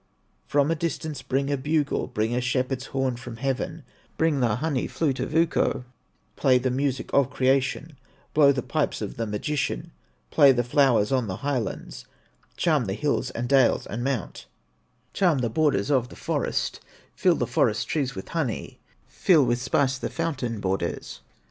"From a distance bring a bugle, Bring a shepherd's horn from heaven, Bring the honey flute of Ukko, Play the music of creation, Blow the pipes of the magician, Play the flowers on the highlands, Charm the hills, and dales, and mountains, Charm the borders of the forest, Fill the forest trees with honey, Fill with spice the fountain borders.